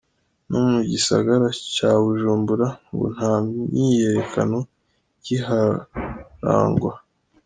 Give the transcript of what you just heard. No mu gisagara ca Bujumbura ngo nta myiyerekano ikiharangwa.